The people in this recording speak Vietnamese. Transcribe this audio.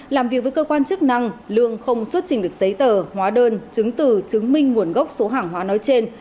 làm việc với cơ quan chức năng lương không xuất trình được giấy tờ hóa đơn chứng từ chứng minh nguồn gốc số hàng hóa nói trên